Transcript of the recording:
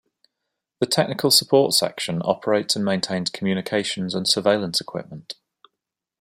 The Technical Support section operates and maintains communications and surveillance equipment.